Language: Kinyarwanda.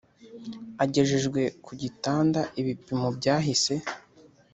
agejejwe kugitanda ibipimo byahise